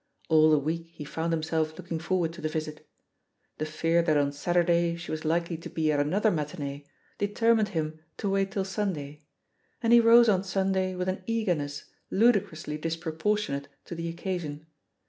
'* All the week he f oimd himself looking forward to the visit. The fear that on Saturday she was likely to he at another matinee determined him to wait till Sunday, and he rose on Sunday with an eagerness ludicrously disproportionate to the oc casion.